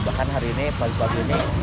bahkan hari ini pagi pagi ini